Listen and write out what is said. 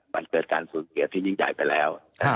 มันเกิดการสูญเสียที่ยิ่งใหญ่ไปแล้ว